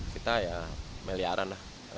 kita ya meliaran lah